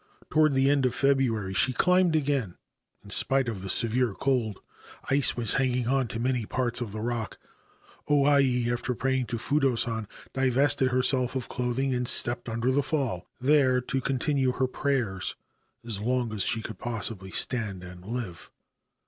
Towards the end of February she climbed again. In spite of the severe cold (ice was hanging on to many parts of the rock), O Ai, after praying to Fudo San, divested herself of clothing and stepped under the fall, there to continue her prayers as long as she could possibly stand and live.